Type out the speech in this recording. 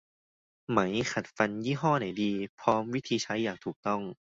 ไหมขัดฟันยี่ห้อไหนดี พร้อมวิธีใช้อย่างถูกต้อง